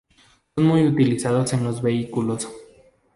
Son muy utilizados en los vehículos.